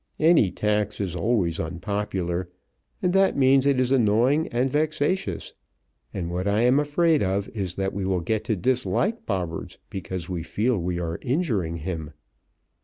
Any tax is always unpopular, and that means it is annoying and vexatious; and what I am afraid of is that we will get to dislike Bobberts because we feel we are injuring him.